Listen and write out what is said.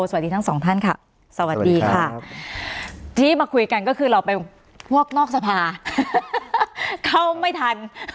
สวัสดีทั้งสองท่านค่ะสวัสดีค่ะที่มาคุยกันก็คือเราไปพวกนอกสภาเข้าไม่ทัน